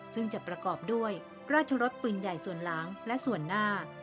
ซึ่งจะประกอบด้วยราชรสปืนใหญ่ส่วนหลังและส่วนหน้า